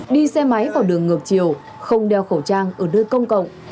đi xe máy vào đường ngược chiều không đeo khẩu trang ở nơi công cộng